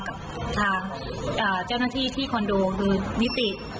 กับทางเจ้าหน้าที่ที่คอนโดคือนิติ